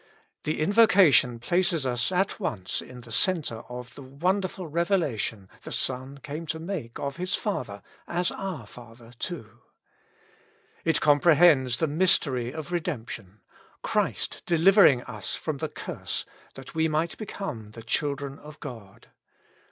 The invocation places us at once in the centre of the wonderful reve lation the Son came to make of His Father as our Father, too. It comprehends the mystery of redemp 32 With Christ in the School of Prayer. tion — Christ delivering us from the curse that we might become the children of God.